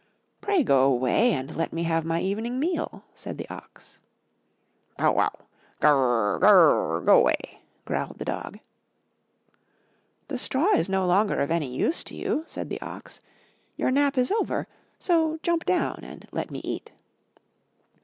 *Tray go away and let me have my evening meal,'' said the Ox. *'Bow wow! Gr r r, Gr r r! Go away!" growled the Dog. The straw is no longer of any use to you," said the Ox, your nap is over; so jump down and let me eat."